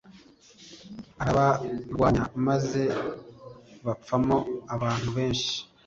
arabarwanya maze bapfamo abantu benshi